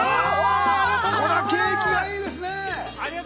これは景気がいいですね。